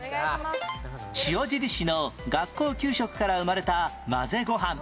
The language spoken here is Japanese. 塩尻市の学校給食から生まれた混ぜご飯